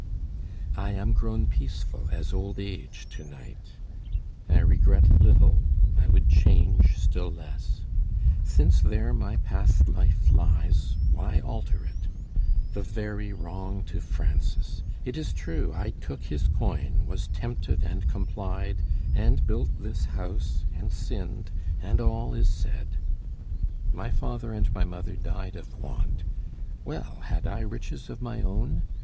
I am grown peaceful as old age to night. I regret little, I would change still less. Since there my past life lies, why alter it? The very wrong to Francis! it is true I took his coin, was tempted and complied, And built this house and sinned, and all is said. My father and my mother died of want. Well, had I riches of my own?